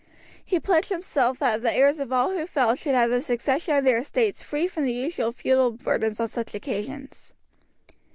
He pledged himself that the heirs of all who fell should have the succession of their estates free from the usual feudal burdens on such occasions.